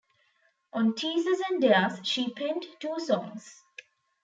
On "Teases and Dares" she penned two songs.